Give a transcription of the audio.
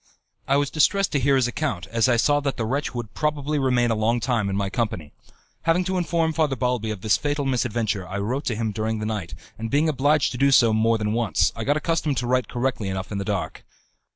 I was distressed to hear his account, as I saw that the wretch would probably remain a long time in my company. Having to inform Father Balbi of this fatal misadventure, I wrote to him during the night, and being obliged to do so more than once, I got accustomed to write correctly enough in the dark.